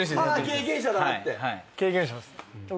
経験者です。